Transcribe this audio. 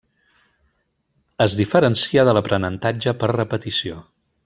Es diferencia de l'aprenentatge per repetició.